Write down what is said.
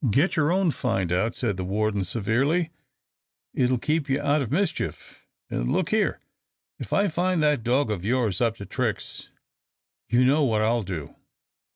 "Get your own find out," said the warden, severely; "it will keep you out of mischief, and look here if I find that dog of yours up to tricks, you know what I'll do."